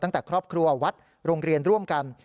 ครอบครัววัดโรงเรียนร่วมกัน